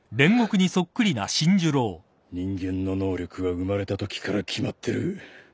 人間の能力は生まれたときから決まってる。